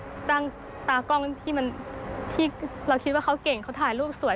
ก็ตั้งตากล้องที่เราคิดว่าเขาเก่งเขาถ่ายรูปสวย